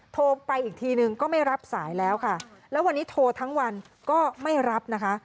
โทรไปอีกทีนึงก็ไม่รับสายแล้วค่ะแล้ววันนี้โทรทั้งวันก็ไม่รับนะคะ